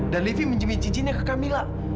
dan livi menjemi jijiknya ke kamilah